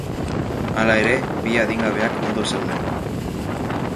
Hala ere, bi adingabeak ondo zeuden.